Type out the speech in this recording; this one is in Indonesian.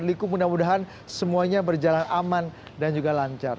liku mudah mudahan semuanya berjalan aman dan juga lancar